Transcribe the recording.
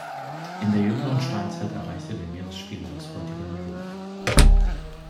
In der jüngeren Steinzeit erreichte der Meeresspiegel das heutige Niveau.